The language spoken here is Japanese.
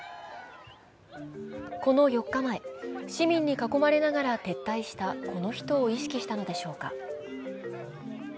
この４日前、市民に囲まれながら撤退したこの人を意識したのでしょうか。